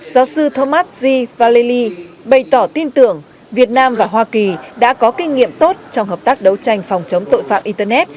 giáo sư thomas g vallely bày tỏ tin tưởng việt nam và hoa kỳ đã có kinh nghiệm tốt trong hợp tác đấu tranh phòng chống tội phạm internet